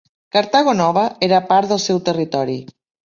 Cartago Nova era part del seu territori.